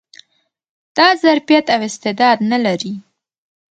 دا ظرفيت او استعداد نه لري